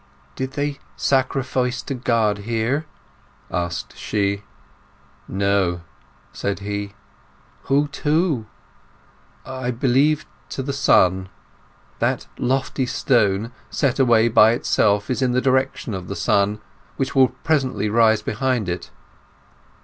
"Did they sacrifice to God here?" asked she. "No," said he. "Who to?" "I believe to the sun. That lofty stone set away by itself is in the direction of the sun, which will presently rise behind it."